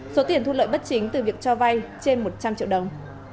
số tiền thu lợi bất chính từ việc cho vay trên một trăm linh triệu đồng